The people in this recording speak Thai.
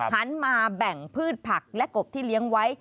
หันมาแบ่งพืชผักและกบที่เลี้ยงไว้